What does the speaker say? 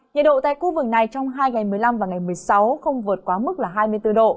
nhiệt độ tại khu vực này trong hai ngày một mươi năm và ngày một mươi sáu không vượt quá mức là hai mươi bốn độ